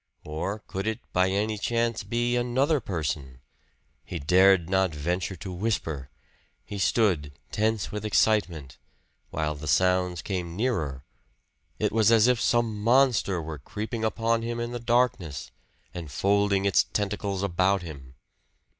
Or could it by any chance be another person? He dared not venture to whisper; he stood, tense with excitement, while the sounds came nearer it was as if some monster were creeping upon him in the darkness, and folding its tentacles about him!